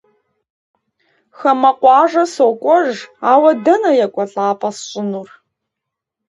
Хамэ къуажэ сокӏуэж, ауэ дэнэ екӏуэлӏапӏэ сщӏынур?